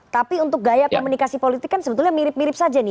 tapi untuk gaya komunikasi politik kan sebetulnya mirip mirip saja nih